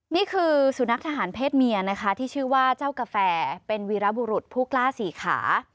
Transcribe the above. นี่คือสุนัขทหารเพศเมียนะคะที่ชื่อว่าเจ้ากาแฟเป็นวีรบุรุษผู้กล้าสี่ขา